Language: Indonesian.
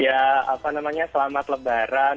ya apa namanya selamat lebaran